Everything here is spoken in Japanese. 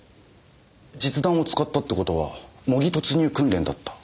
実弾を使ったって事は模擬突入訓練だった。